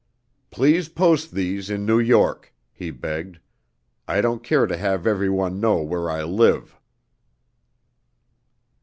"Please post these in New York," he begged. "I don't care to have every one know where I live."